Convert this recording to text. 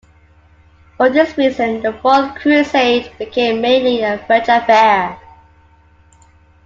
For this reason, the Fourth Crusade became mainly a French affair.